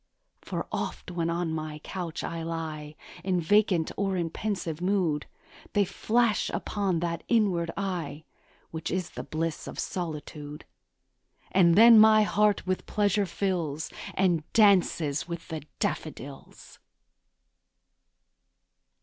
For oft, when on my couch I lie In vacant or in pensive mood, They flash upon that inward eye Which is the bliss of solitude; And then my heart with pleasure fills, And dances with the daffodils.